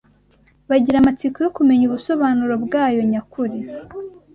bagira amatsiko yo kumenya ubusobanuro bwayo nyakuri